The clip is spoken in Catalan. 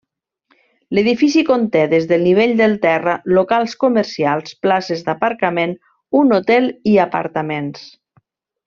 L'edifici conté, des del nivell del terra, locals comercials, places d'aparcament, un hotel i apartaments.